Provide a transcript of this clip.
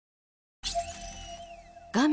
画面